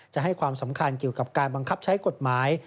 จะให้ความสำคัญเกี่ยวกับการบังคับใช้กฎหมาย